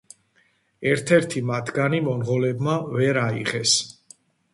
ერთ-ერთი მათგანი მონღოლებმა ვერ აიღეს.